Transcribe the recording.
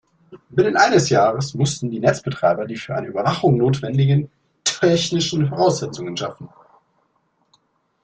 Binnen eines Jahres mussten die Netzbetreiber die für eine Überwachung notwendigen technischen Voraussetzungen schaffen.